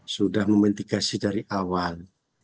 sudah memitigasi dari awal